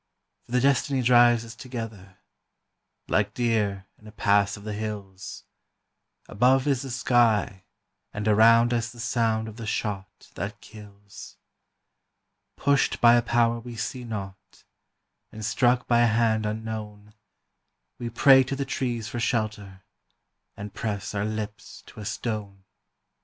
For the Destiny drives us together, like deer in a pass of the hills; Above is the sky and around us the sound of the shot that kills; Pushed by a power we see not, and struck by a hand unknown, We pray to the trees for shelter, and press our lips to a stone.